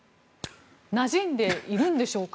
なじんでいるんでしょうか？